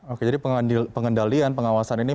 oke jadi pengendalian pengawasan ini